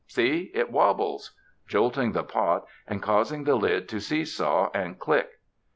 "See, it wobbles," jolting the pot and causing the lid to seesaw and click.